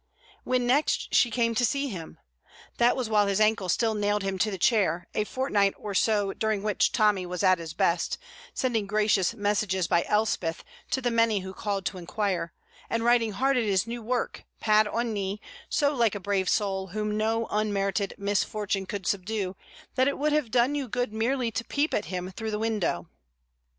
When next she came to see him! That was while his ankle still nailed him to the chair, a fortnight or so during which Tommy was at his best, sending gracious messages by Elspeth to the many who called to inquire, and writing hard at his new work, pad on knee, so like a brave soul whom no unmerited misfortune could subdue that it would have done you good merely to peep at him through the window.